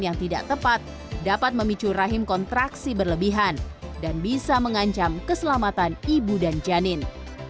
yang tidak tepat dapat memicu rahim kontraksi berlebihan dan bisa mengancam keselamatan ibu dan janin